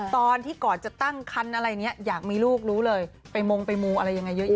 ตอนที่ก่อนจะตั้งคันอะไรเนี่ยอยากมีลูกรู้เลยไปมงไปมูอะไรยังไงเยอะแยะ